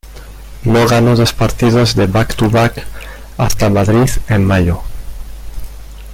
No ganó dos partidos de back-to-back "hasta Madrid en mayo.